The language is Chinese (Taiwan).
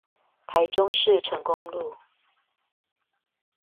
台中市成功路